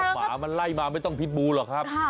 หมามันไล่มาไม่ต้องพิษบูหรอกครับ